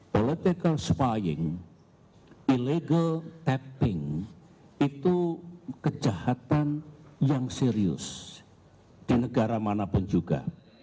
tidak ada penyadapan itu kejahatan yang serius di negara manapun juga